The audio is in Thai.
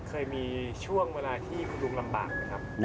เคยมีช่วงเวลาที่คุณลุงลำบากไหมครับ